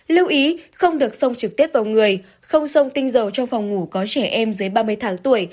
lưu ý không được sông trực tiếp vào người không sông tinh dầu trong phòng ngủ có trẻ em dưới ba mươi tháng tuổi